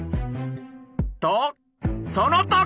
とその時！